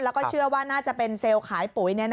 แล้วก็เชื่อว่าน่าจะเป็นเซลล์ขายปุ๋ย